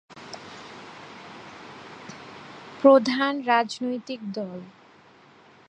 প্রধান রাজনৈতিক দল।